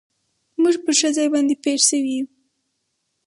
موږ پر ښه ځای باندې پېښ شوي و.